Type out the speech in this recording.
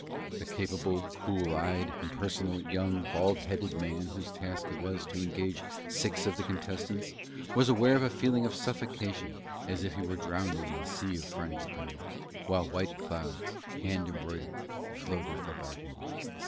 The capable, cool eyed, impersonal, young, bald headed man whose task it was to engage six of the contestants, was aware of a feeling of suffocation as if he were drowning in a sea of frangipanni, while white clouds, hand embroidered, floated about him.